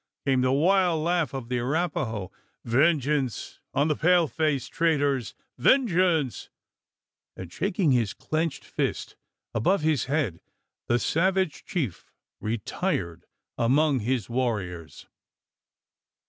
came the wild laugh of the Arapaho. "Vengeance on the pale faced traitors! vengeance!" And shaking his clenched fist above his head, the savage chief retired among his warriors.